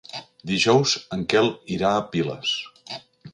Dijous en Quel irà a Piles.